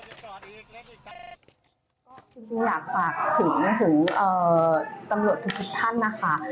ก็จริงจริงอยากฝากถึงถึงเอ่อตำลวดทุกทุกท่านนะคะ